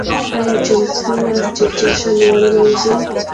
ايا چمتو ياست چې جشن ولمانځئ؟